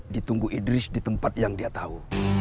ditunggu idris di tempat yang dia tahu